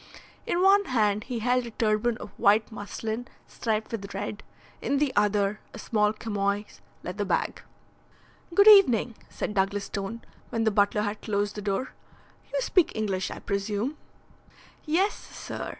In one hand he held a turban of white muslin striped with red, in the other a small chamois leather bag. "Good evening," said Douglas Stone, when the butler had closed the door. "You speak English, I presume?" "Yes, sir.